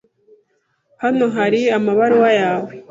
Hano hari amabaruwa yawe.